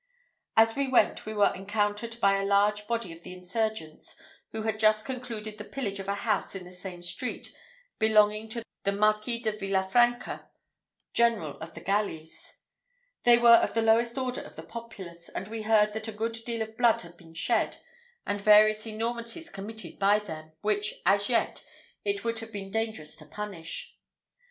As we went, we were encountered by a large body of the insurgents who had just concluded the pillage of a house in the same street, belonging to the Marquis de Villafranca, general of the galleys. They were of the lowest order of the populace; and we heard that a good deal of blood had been shed, and various enormities committed by them, which, as yet, it would have been dangerous to punish.